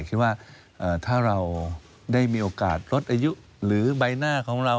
คิดว่าถ้าเราได้มีโอกาสลดอายุหรือใบหน้าของเรา